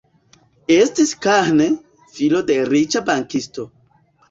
Estis Kahn, filo de riĉa bankisto.